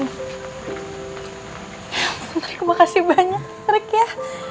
ya ampun terima kasih banyak rek ya